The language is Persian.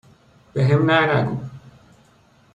بهم نه نگو